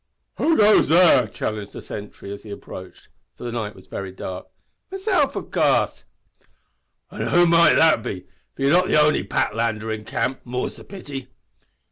"Who goes there?" challenged the sentry as he approached, for the night was very dark. "Mesilf, av coorse." "An' who may that be, for yer not the only Patlander in camp, more's the pity!"